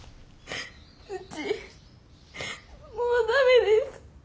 ウチもう駄目です。